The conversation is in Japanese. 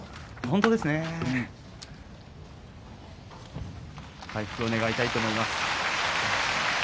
本当に回復を願いたいと思います。